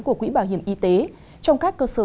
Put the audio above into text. của quỹ bảo hiểm y tế trong các cơ sở